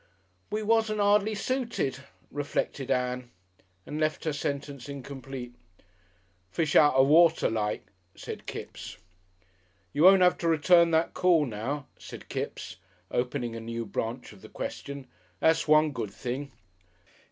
"We wasn't 'ardly suited," reflected Ann, and left her sentence incomplete. "Fish out of water like," said Kipps.... "You won't 'ave to return that call now," said Kipps, opening a new branch of the question. "That's one good thing."